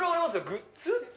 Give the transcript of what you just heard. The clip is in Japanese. グッズ？